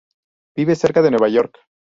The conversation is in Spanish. Vive cerca de Nueva York.